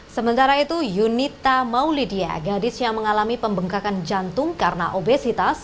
sementara itu yunita maulidia gadis yang mengalami pembengkakan jantung karena obesitas